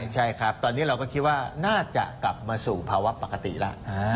ใช่ครับตอนนี้เราก็คิดว่าน่าจะกลับมาสู่ภาวะปกติแล้ว